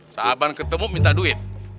sahabat ketemu minta duit